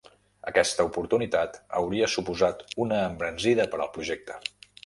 Aquesta oportunitat hauria suposat una embranzida per al projecte.